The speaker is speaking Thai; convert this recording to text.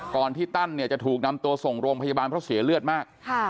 ที่ตั้นเนี่ยจะถูกนำตัวส่งโรงพยาบาลเพราะเสียเลือดมาก